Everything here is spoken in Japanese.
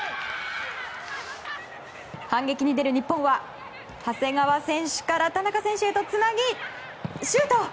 反撃に出る日本は長谷川選手から田中選手へとつなぎ、シュート！